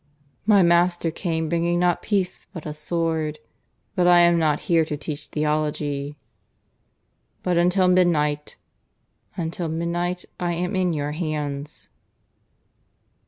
"My Master came bringing not peace, but a sword. But I am not here to teach theology." "But until midnight " "Until midnight I am in your hands."